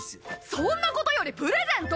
そんなことよりプレゼント！